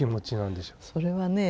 それはね